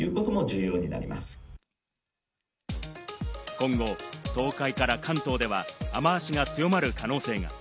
今後、東海から関東では雨脚が強まる可能性が。